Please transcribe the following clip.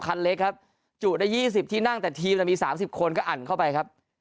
คันเล็กครับจุได้๒๐ที่นั่งแต่ทีมมี๓๐คนก็อั่นเข้าไปครับ